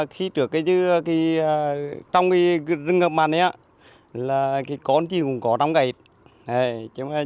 khi trưởng cái rừng ngập mặn đấy á là cái con chỉ cũng có trong cái